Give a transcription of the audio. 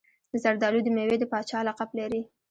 زردالو د میوې د پاچا لقب لري.